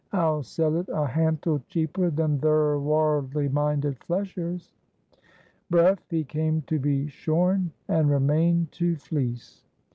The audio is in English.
I'll sell it a hantle cheaper than thir warldly minded fleshers." Bref, he came to be shorn, and remained to fleece.